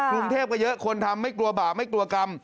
กรุงเทพก็เยอะคนทำไม่กลัวบาปไม่กลัวกรรม